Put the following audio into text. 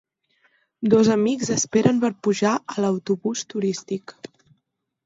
Dos amics esperen per pujar a l'autobús turístic.